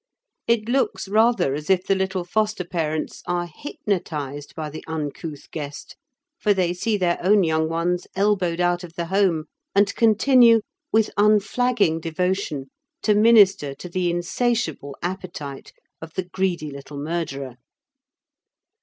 It looks rather as if the little foster parents are hypnotised by the uncouth guest, for they see their own young ones elbowed out of the home and continue, with unflagging devotion, to minister to the insatiable appetite of the greedy little murderer.